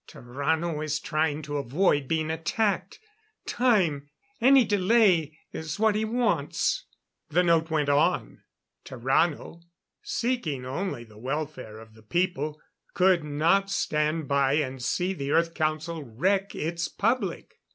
"Tarrano is trying to avoid being attacked. Time any delay is what he wants." The note went on. Tarrano seeking only the welfare of the people could not stand by and see the Earth Council wreck its public.